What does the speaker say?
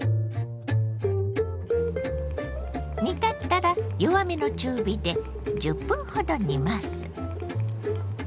煮立ったら弱めの中火で１０分ほど煮ます。